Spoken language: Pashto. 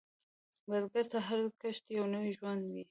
بزګر ته هر کښت یو نوی ژوند دی